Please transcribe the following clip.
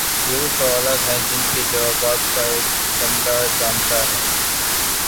یہ وہ سوالات ہیں جن کے جوابات ہر بندہ جانتا ہے